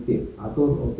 tidak ada atur atau tidak ada